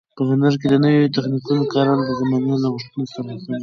په هنر کې د نویو تخنیکونو کارول د زمانې له غوښتنو سره سم دي.